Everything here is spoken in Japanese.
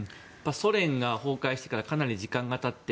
ソ連が崩壊してからかなり時間が経った。